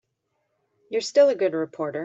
You're still a good reporter.